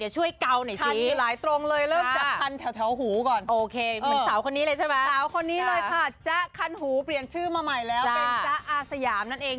ให้ที่ดิง